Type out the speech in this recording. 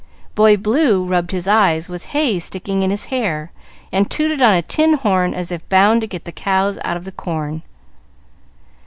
"Boy Blue" rubbed his eyes, with hay sticking in his hair, and tooted on a tin horn as if bound to get the cows out of the corn.